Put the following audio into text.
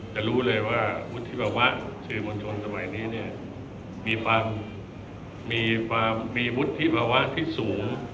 จะรู้เลยว่าวุฒิภาวะสื่อมวลชนสมัยนี้เนี่ยมีความมีวุฒิภาวะที่สูง